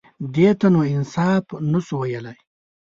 _دې ته نو انصاف نه شو ويلای.